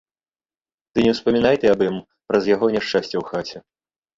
Ды не ўспамінай ты аб ім, праз яго няшчасце ў хаце.